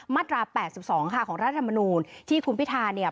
มาตรา๘๒ค่ะของรัฐมนูลที่คุณพิธาเนี่ย